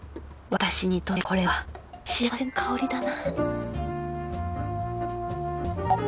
私にとってこれは幸せの香りだな